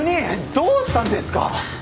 どうしたんですか？